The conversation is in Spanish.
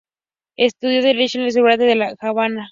Estudió derecho en la Universidad de La Habana.